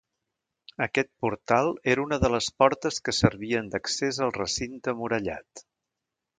Aquest portal era una de les portes que servien d'accés al recinte murallat.